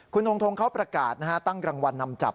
คุณธงเขาประกาศนะฮะตั้งรางวัลนำจับ